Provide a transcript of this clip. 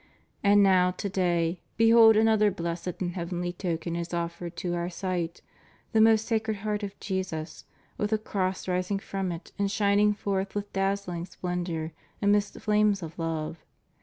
And now, to day, behold another blessed and heavenly token is offered to our sight — the most Sacred Heart of Jesus, with a cross rising from it and shining forth with dazzling splendor amidst flames of love.